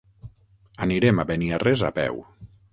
Anirem a Beniarrés a peu.